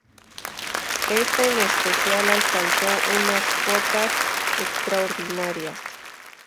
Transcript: Esta en especial alcanzó unas cotas extraordinarias.